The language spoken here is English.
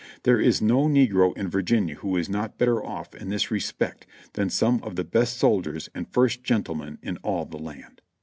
There is no negro in Virginia who is not better off in this respect than some of the best soldiers and first gentlemen in all the land."